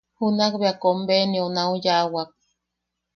Junakbea kombenionau yaʼawak.